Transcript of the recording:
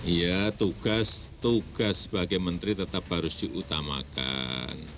iya tugas sebagai menteri tetap harus diutamakan